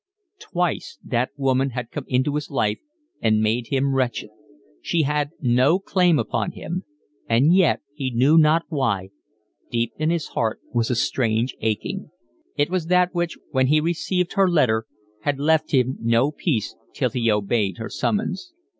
Twice that woman had come into his life and made him wretched; she had no claim upon him; and yet, he knew not why, deep in his heart was a strange aching; it was that which, when he received her letter, had left him no peace till he obeyed her summons.